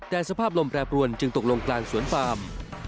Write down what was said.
แต่สภาพลมแปรปรวนจึงตกลงกลางสวนฟาร์ม